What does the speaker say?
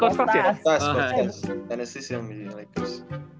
kostas thanasis yang menjadi lakers